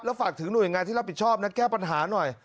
ฝากถึงหน่วยงานที่รับผิดชอบนะแก้ปัญหาหน่อย